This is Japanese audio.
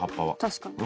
確かに。